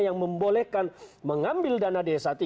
yang membolehkan mengambil dana desa